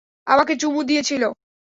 আমাকে চুমু দিয়েছিল।